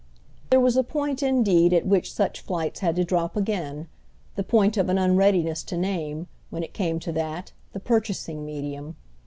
There was a point indeed at which such flights had to drop again—the point of an unreadiness to name, when it came to that, the purchasing medium.